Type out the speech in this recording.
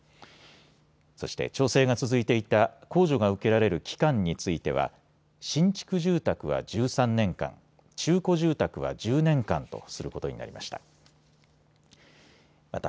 そして調整が続いていた控除が受けられる期間については新築住宅は１３年間、中古住宅は１０年間とすることになりました。